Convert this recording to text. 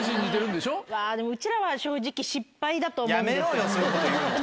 でもうちらは正直「失敗」だと思うんですけどね。